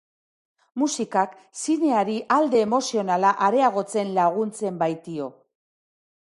Musikak, zineari alde emozionala areagotzen laguntzen baitio.